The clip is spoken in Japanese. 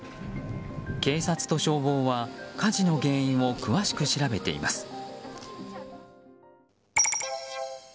警察と消防は火事の原因を詳しく調べています。